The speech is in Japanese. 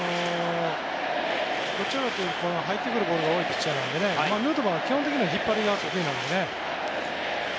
どちらかというと入ってくるボールが多いピッチャーなのでヌートバーは基本的には引っ張りが得意なので。